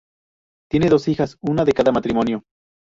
Tiene dos hijas, una de cada matrimonio.